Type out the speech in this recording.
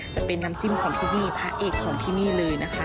จะเป็นน้ำจิ้มของที่นี่พระเอกของที่นี่เลยนะคะ